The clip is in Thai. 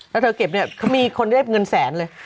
แล้วเธอเก็บเนี่ยเขามีคนได้เงินแสนเลย